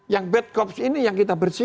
yang bad cops ini yang kita bersih